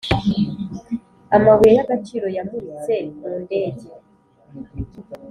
amabuye y'agaciro-yamuritse mu ndege -